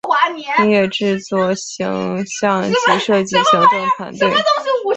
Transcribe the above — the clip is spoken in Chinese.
音乐制作形像及设计行政团队